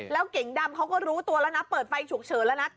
แล้วเก๋งดำเขาก็รู้ตัวแล้วนะเปิดไฟฉุกเฉินแล้วนะ